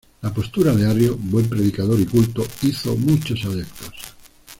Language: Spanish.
La postura de Arrio, buen predicador y culto, hizo muchos adeptos.